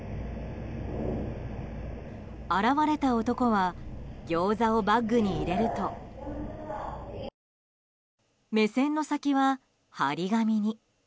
現れた男はギョーザをバッグに入れると目線の先は、貼り紙に。